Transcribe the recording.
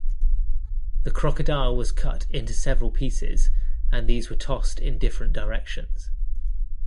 The crocodile was cut into several pieces and these were tossed in different directions.